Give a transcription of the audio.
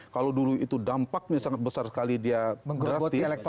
kalau dulu itu dampaknya sangat besar sekali dia drastis